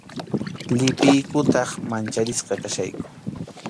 Llipiykutaq mancharisqa kachkayku.